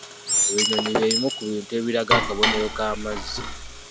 Ebinyonyi bye bimu ku bintu ebiraga akabonero ka mazzi.